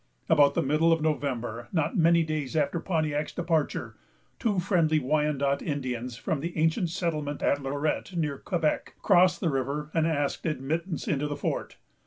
About the middle of November, not many days after Pontiac's departure, two friendly Wyandot Indians from the ancient settlement at Lorette, near Quebec, crossed the river, and asked admittance into the fort.